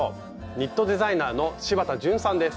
ニットデザイナーの柴田淳さんです。